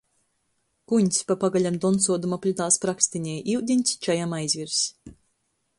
Guņs, pa pagalem doncuodama, plitā sprakstinej, iudiņs čajam aizvirs.